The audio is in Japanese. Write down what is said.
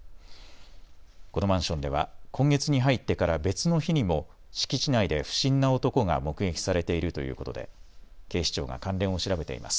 このマンションでは今月に入ってから別の日にも敷地内で不審な男が目撃されているということで警視庁が関連を調べています。